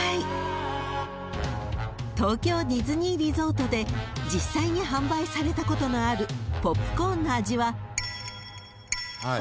［東京ディズニーリゾートで実際に販売されたことのあるポップコーンの味は］